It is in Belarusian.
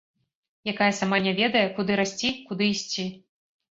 Якая сама не ведае, куды расці, куды ісці.